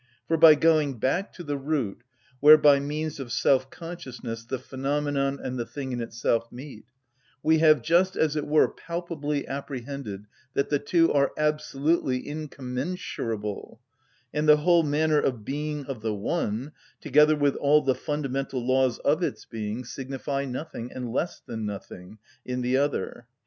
For, by going back to the root, where, by means of self‐consciousness, the phenomenon and the thing in itself meet, we have just, as it were, palpably apprehended that the two are absolutely incommensurable, and the whole manner of being of the one, together with all the fundamental laws of its being, signify nothing, and less than nothing, in the other.